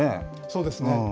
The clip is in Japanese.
そうですね。